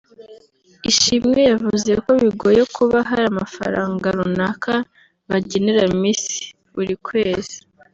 Ishimwe yavuze ko bigoye kuba hari amafaranga runaka bagenera Miss buri kwezi